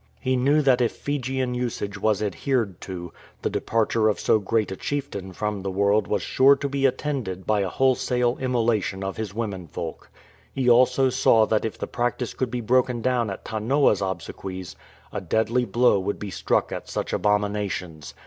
He knew that if Fijian usage was 317 MURDER OF WIDOWS adhered to, the departure of so great a chieftain from the world was sure to be attended by a wholesale immolation of his women folk. He also saw that if the practice could be broken down at Tanoa''s obsequies, a deadly blow would be struck at such abominations.